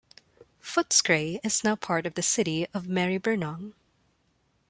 Footscray is now part of the City of Maribyrnong.